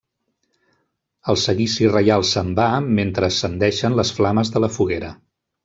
El seguici reial se'n va, mentre ascendeixen les flames de la foguera.